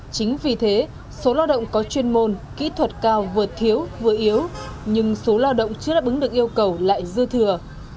chính vì thế số lao động có chuyên môn kỹ thuật cao vượt thiếu vừa yếu nhưng số lao động chưa đáp ứng được yêu cầu lại dư thừa